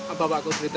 apa pak kudritanya